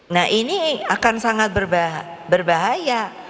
nah ini akan sangat berbahaya